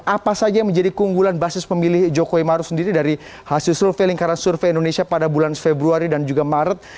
apa saja yang menjadi keunggulan basis pemilih jokowi maruf sendiri dari hasil survei lingkaran survei indonesia pada bulan februari dan juga maret